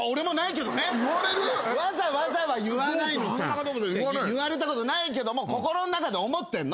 わざわざは言わないのさ言われたことないけども心の中で思ってんの。